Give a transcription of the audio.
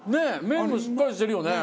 麺もしっかりしてるよね。